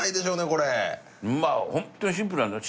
これホントにシンプルなんだよ